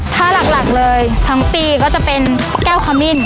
ถ้าหลักเลยทั้งปีก็จะเป็นแก้วขมิ้น